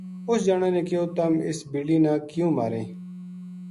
اُس جنا نے کہیو تم اِس بِلی نا کیوں ماریں